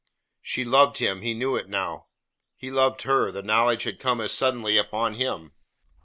She loved him he knew it now; he loved her the knowledge had come as suddenly upon him.